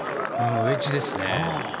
ウェッジですね。